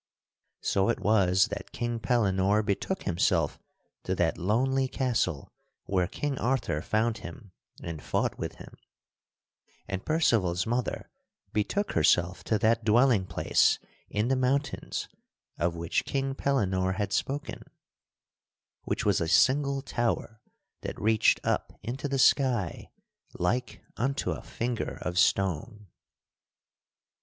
So it was that King Pellinore betook himself to that lonely castle where King Arthur found him and fought with him; and Percival's mother betook herself to that dwelling place in the mountains of which King Pellinore had spoken which was a single tower that reached up into the sky, like unto a finger of stone.